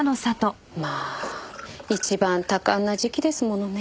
まあ一番多感な時期ですものね。